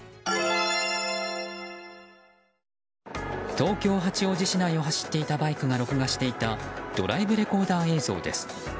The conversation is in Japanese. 東京・八王子内を走っていたバイクが録画していたドライブレコーダー映像です。